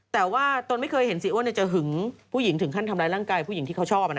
แต่ว่าตนไม่เคยเห็นเสียอ้วนจะหึงผู้หญิงถึงขั้นทำร้ายร่างกายผู้หญิงที่เขาชอบ